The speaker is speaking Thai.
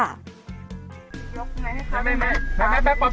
มาแล้วมาแล้วมาแล้วมาแล้ว